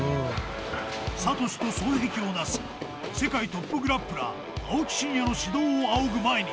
［サトシと双璧を成す世界トップグラップラー青木真也の指導を仰ぐ毎日］